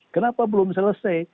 kenapa belum selesai